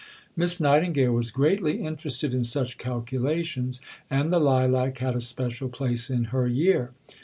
Miss Nightingale was greatly interested in such calculations, and the lilac had a special place in her year.